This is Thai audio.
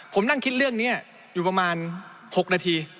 ผมนั่งคิดเรื่องนี้อยู่ประมาณ๖นาที